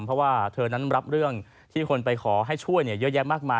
เพราะว่าเธอนั้นรับเรื่องที่คนไปขอให้ช่วยเยอะแยะมากมาย